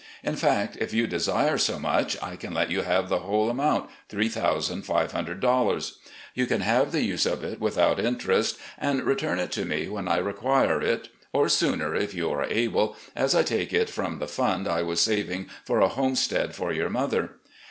In fact, if you desire so much, I can let you have the whole amotmt, $3,500. You can have the use of it without interest, and return it to me when I require it, or sooner if you are able, as I take it from the fund I was saving for a homestead for your mother.